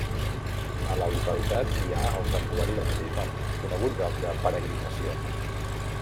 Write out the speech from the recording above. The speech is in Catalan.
A la localitat hi ha el santuari del mateix nom, conegut lloc de peregrinació.